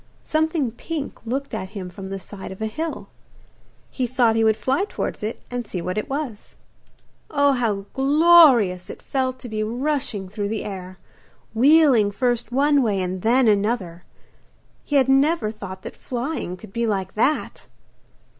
Something pink looked at him from the side of a hill. He thought he would fly towards it and see what it was. Oh, how glorious it felt to be rushing through the air, wheeling first one way and then the other! He had never thought that flying could be like that!